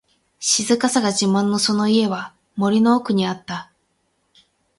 静かさが自慢のその家は、森の奥にあった。